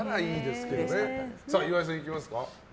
岩井さん、いきますか。